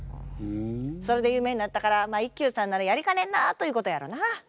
それで有名になったから一休さんならやりかねんなということやろな。